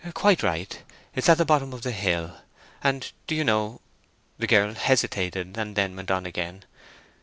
"Quite right. It's at the bottom of the hill. And do you know—" The girl hesitated and then went on again.